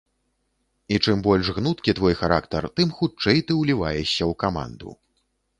І чым больш гнуткі твой характар, тым хутчэй ты ўліваешся ў каманду.